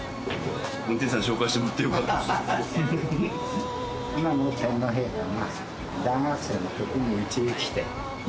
運転手さんに紹介してもらってよかったです。